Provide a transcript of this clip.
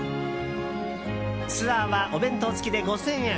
ツアーはお弁当付きで５０００円。